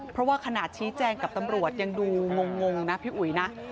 เพราะว่าขนาดชี้แจงกับตำรวจยังดูงงนะพี่อุ๋ยนะ